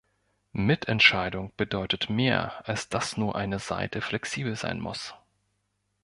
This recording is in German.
Mitentscheidung bedeutet mehr, als dass nur eine Seite flexibel sein muss.